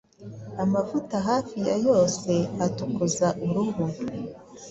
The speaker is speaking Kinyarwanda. Amavuta hafi ya yose atukuza uruhu